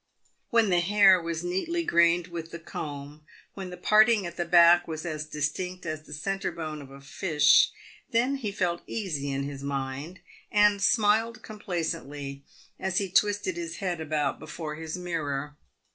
When the hair was neatly grained with the comb, when the partiug at the back was as distinct as the centre bone of a fish, then he felt easy in his mind, and smiled complacently as he twisted his head about before his mirror.